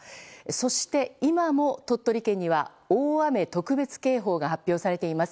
そして、今も鳥取県には大雨特別警報が発表されています。